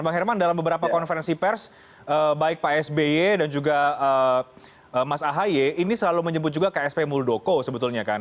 bang herman dalam beberapa konferensi pers baik pak sby dan juga mas ahaye ini selalu menyebut juga ksp muldoko sebetulnya kan